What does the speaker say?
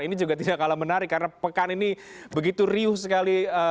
ini juga tidak kalah menarik karena pekan ini begitu riuh sekali